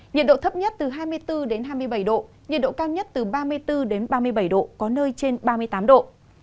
nhiệt độ thấp nhất từ hai mươi bốn hai mươi bảy độ nhiệt độ cao nhất từ ba mươi bốn ba mươi bảy độ có nơi trên ba mươi tám độ